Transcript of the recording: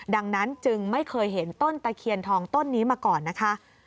ดังนั้นจึงไม่เคยเห็นต้นตะเคียนทองต้นนี้มาก่อนนะคะ